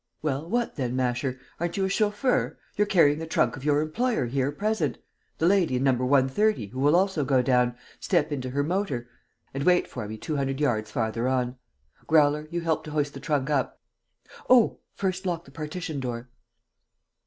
"Well, what then, Masher? Aren't you a chauffeur? You're carrying the trunk of your employer here present, the lady in No. 130, who will also go down, step into her motor ... and wait for me two hundred yards farther on. Growler, you help to hoist the trunk up. Oh, first lock the partition door!"